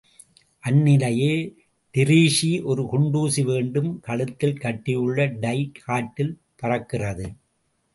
அந்நிலையில் டிரீஸி ஒரு குண்டுசி வேண்டும் கழுத்தில் கட்டியுள்ள டை காற்றில் பறக்கிறது.